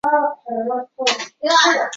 探寻被调查对象对。